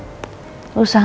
ini tidak ada